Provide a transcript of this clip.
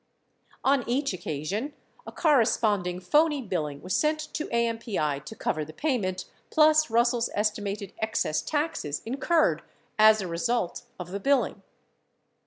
On each occasion, a corresponding phony billing was sent to AMPI to cover the payment plus Russell's estimated excess taxes incurred as a result of the billing.